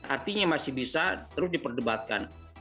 artinya masih bisa terus diperdebatkan